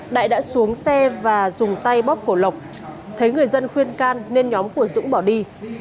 đại đã xuống xe và dùng tay bóp cổ lộc thấy người dân khuyên can nên nhóm của dũng bỏ đi